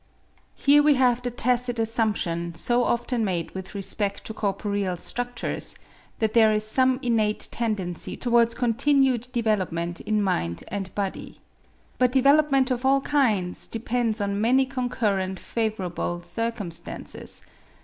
Here we have the tacit assumption, so often made with respect to corporeal structures, that there is some innate tendency towards continued development in mind and body. But development of all kinds depends on many concurrent favourable circumstances.